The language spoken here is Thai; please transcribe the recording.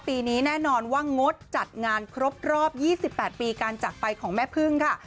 ปีนี้แน่นอนว่างดจัดงานครบรอบ๒๘ปีการจักรไปของแม่พึ่งค่ะ